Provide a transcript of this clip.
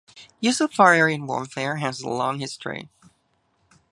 Use of fire in warfare has a long history.